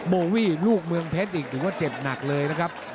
โบวี่ลูกเมืองเพชรอีกถือว่าเจ็บหนักเลยนะครับ